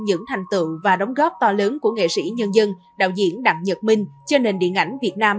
những thành tựu và đóng góp to lớn của nghệ sĩ nhân dân đạo diễn đặng nhật minh cho nền điện ảnh việt nam